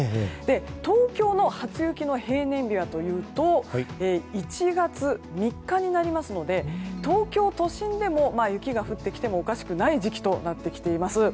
東京の初雪の平年日はというと１月３日になりますので東京都心でも雪が降ってきてもおかしくない時期となっております。